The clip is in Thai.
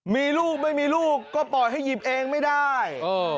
มีลูกไม่มีลูกก็ปล่อยให้หยิบเองไม่ได้